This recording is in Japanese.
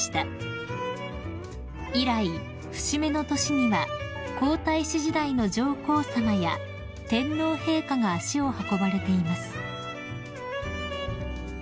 ［以来節目の年には皇太子時代の上皇さまや天皇陛下が足を運ばれています］